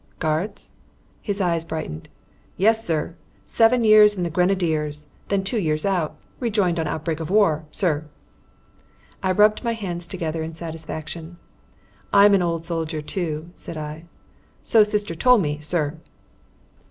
"Guards?" His eyes brightened. "Yes, sir. Seven years in the Grenadiers. Then two years out. Rejoined on outbreak of war, sir." I rubbed my hands together in satisfaction. "I'm an old soldier too," said I. "So Sister told me, sir."